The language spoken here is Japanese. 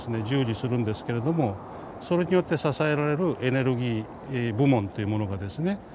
従事するんですけれどもそれによって支えられるエネルギー部門っていうものがですね